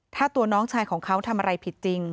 ถ้าตัวน้องชายของเขาทำอะไรผิดจริง